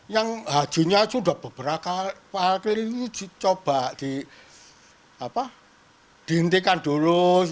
yang hajinya sudah beberapa kali coba dihentikan dulu